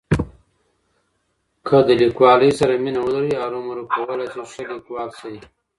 که له لیکوالي سره مینه ولري، هرومرو کولای شي ښه لیکوال شي.